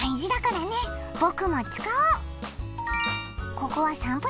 ここは。